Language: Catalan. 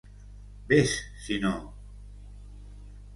Ves si no!